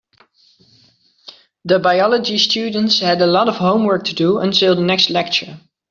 The biology students had lots of homework to do until the next lecture.